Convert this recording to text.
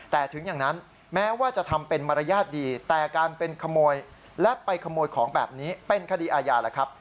แต่ถึงอย่างนั้นแม้ว่าจะทำเป็นมารยาทดีแต่การเป็นขโมยและไปขโมยของแบบนี้เป็นคดีอาญาแล้วครับ